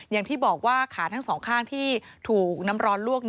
อย่างที่บอกว่าขาทั้งสองข้างที่ถูกน้ำร้อนลวก